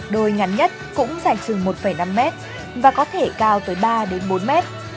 đôi ngắn nhất cũng dài chừng một năm mét và có thể cao tới ba bốn mét